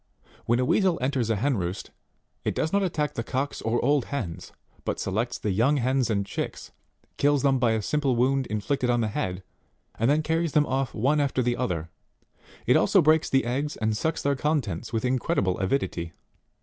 When a Weasel enters a hen roost, it does not attack the cocks or old hens, but selects the young hens and chicks, kills them by a simple wound inflicted on the head, and then carries them off one after the other ; it also breaks the eggs and sucks their contents with incredible avidity.